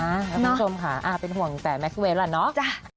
แล้วคุณผู้ชมค่ะเป็นห่วงแต่แม็กซ์เวลล่ะเนาะ